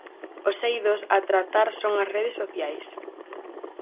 Os eidos a tratar son as redes sociais.